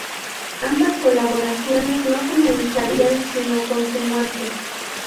Ambas colaboraciones no finalizarían sino con su muerte.